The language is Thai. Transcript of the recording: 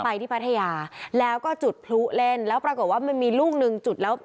ที่พัทยาแล้วก็จุดพลุเล่นแล้วปรากฏว่ามันมีลูกหนึ่งจุดแล้ว